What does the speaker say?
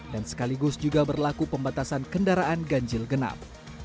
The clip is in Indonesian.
dan sekaligus juga berlaku pembatasan kendaraan ganjil genap